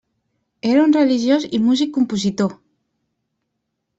Era un religiós i músic compositor.